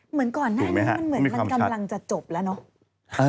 เหมือนก่อนหน้านี้มันเหมือนมันกำลังจะจบแล้วเนอะ